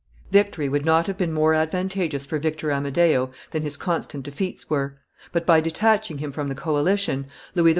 Victory would not have been more advantageous for Victor Amadeo than his constant defeats were; but, by detaching him from the coalition, Louis XIV.